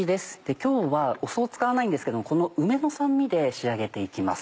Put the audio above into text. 今日は酢を使わないんですけどもこの梅の酸味で仕上げて行きます。